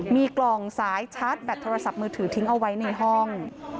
มีกล่องสายชาร์จแบตโทรศัพท์มือถือทิ้งเอาไว้ในห้อง